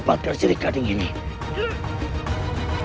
wa pemerintahan adalah kita yang paling penting